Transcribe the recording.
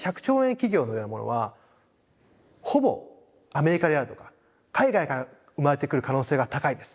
企業のようなものはほぼアメリカであるとか海外から生まれてくる可能性が高いです。